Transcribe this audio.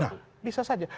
nah bisa saja